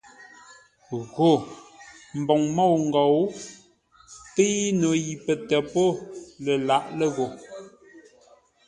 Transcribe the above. Gho mboŋ môu-ngou pei no yi pətə́ po laʼ lə́ gho.